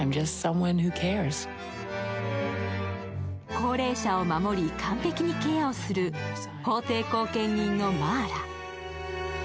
高齢者を守り完璧にケアをする法廷後見人のマーラ。